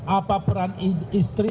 apa peran istri